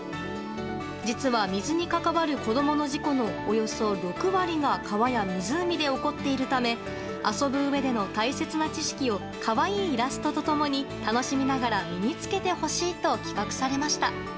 実は水に関わる子供の事故のおよそ６割が川や湖で起こっているため遊ぶうえでの大切な知識を可愛いイラストと共に楽しみながら身につけてほしいと企画されました。